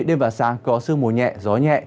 đêm và sáng có sương mùa nhẹ gió nhẹ